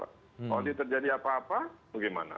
kalau ini terjadi apa apa bagaimana